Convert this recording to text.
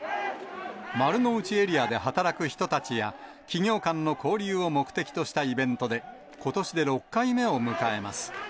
丸の内エリアで働く人たちや、企業間の交流を目的としたイベントで、ことしで６回目を迎えます。